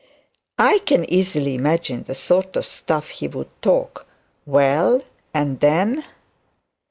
'I can really imagine the sort of stuff he would talk. Well and then?'